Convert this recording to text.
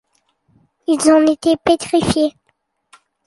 Ils en étaient pétrifiés.